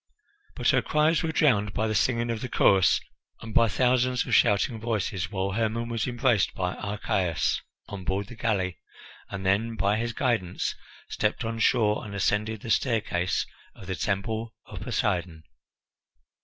But her cries were drowned by the singing of the chorus and by thousands of shouting voices, while Hermon was embraced by Archias on board the galley, and then, by his guidance, stepped on shore and ascended the staircase of the Temple of Poseidon.